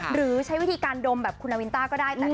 หรือใช้วิธีการดมแบบคุณนาวินต้าก็ได้